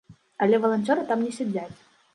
Але валанцёры там не сядзяць.